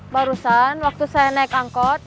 barusan waktu saya naik angkot